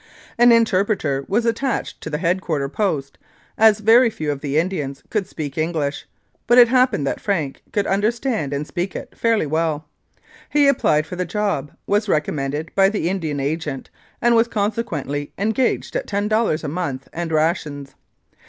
An interpreter was attached to the Head quarter Post, as very few of the Indians could speak English, but it happened that Frank could understand and speak it fairly well. He applied for the job, was recommended by the Indian Agent, and was consequently engaged at ten dollars a month and rations.